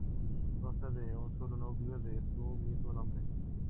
Consta de un solo núcleo de su mismo nombre.